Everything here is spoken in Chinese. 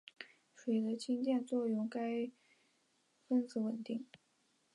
水的氢键作用使该分子稳定。